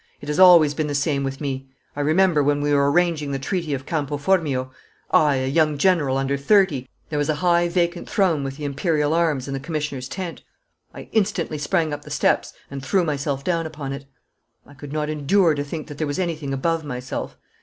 It has always been the same with me. I remember when we were arranging the Treaty of Campo Formio I a young general under thirty there was a high vacant throne with the Imperial arms in the Commissioner's tent. I instantly sprang up the steps, and threw myself down upon it. I could not endure to think that there was anything above myself.